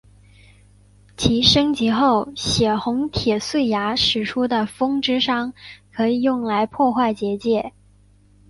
其升级后血红铁碎牙使出的风之伤可以用来破坏结界。